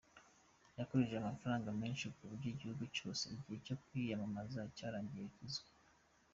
Yakoresheje amafaranga menshi ku buryo igihugu cyose igihe cyo kwiyamamaza cyarangiye azwi.